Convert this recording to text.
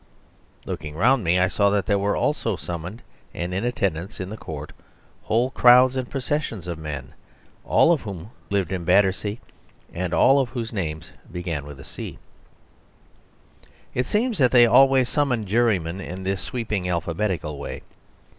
Looking round me, I saw that there were also summoned and in attendance in the court whole crowds and processions of men, all of whom lived in Battersea, and all of whose names began with a C. It seems that they always summon jurymen in this sweeping alphabetical way.